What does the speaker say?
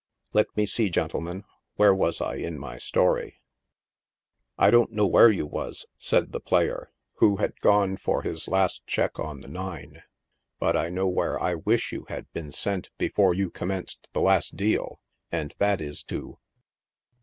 Let me see, gentle men, where was I in my story. •' I don't know where you was," said the player, who had gone 76 NIGHT SIDE OF NEW YORK. for his last check on the nine ; but I know where I wish you had been sent before you commenced the last deal, and that is to ."